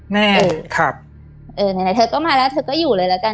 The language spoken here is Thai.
แม่ครับเออไหนเธอก็มาแล้วเธอก็อยู่เลยละกัน